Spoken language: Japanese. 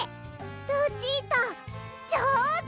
ルチータじょうず！